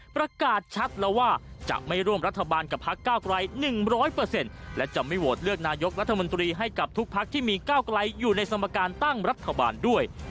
ประกาศชัดแล้วว่าจะไม่ร่วมรัฐบาลกับพักก้าวไกล๑๐๐และจะไม่โหวตเลือกนายกรัฐมนตรีให้กับทุกพักที่มีก้าวไกลอยู่ในสมการตั้งรัฐบาลด้วย